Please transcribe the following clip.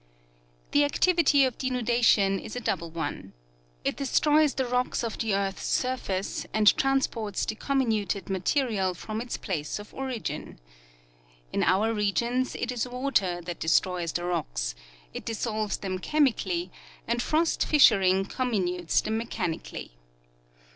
The activity of denudation is a double one. It destroys the rocks of the earth's surface and transports the comminuted ma terial from its place of origin. In our regions it is water that destroys the rocks ; it dissolves them chemically and frost fissur ing comminutes them mechnically.